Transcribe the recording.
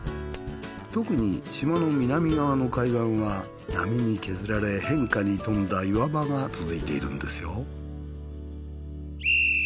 特に島の南側の海岸は波に削られ変化に富んだ岩場が続いているんですよ。